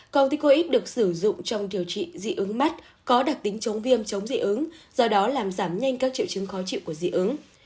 corticoid được sử dụng trong điều trị dị ứng mắt có đặc tính chống viêm chống dị ứng do đó làm giảm nhanh các triệu chứng khó chịu của dị ứng